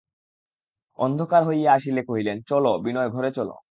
অন্ধকার হইয়া আসিলে কহিলেন, চলো, বিনয়, ঘরে চলো।